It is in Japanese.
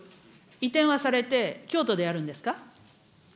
移転はされて、京都でやるんですか。